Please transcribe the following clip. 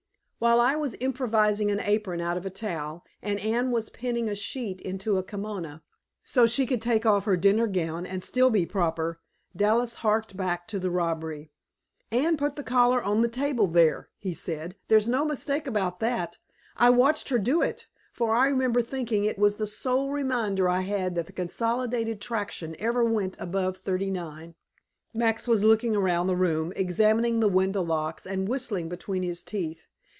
While I was improvising an apron out of a towel, and Anne was pinning a sheet into a kimono, so she could take off her dinner gown and still be proper, Dallas harked back to the robbery. "Ann put the collar on the table there," he said. "There's no mistake about that. I watched her do it, for I remember thinking it was the sole reminder I had that Consolidated Traction ever went above thirty nine." Max was looking around the room, examining the window locks and whistling between his teeth.